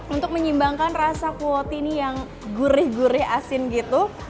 untuk menyimbangkan rasa kuoti ini yang gurih gurih asin gitu